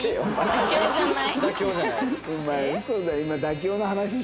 妥協じゃない。